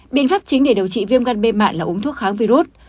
bốn biện pháp chính để điều trị viêm gan b mạn là uống thuốc kháng virus